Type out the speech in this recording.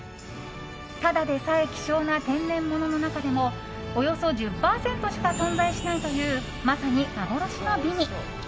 ただでさえ希少な天然物の中でもおよそ１０％しか存在しないというまさに幻の美味。